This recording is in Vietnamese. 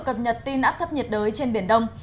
tiếp tục cập nhật tin áp thất nhiệt đới trên biển đông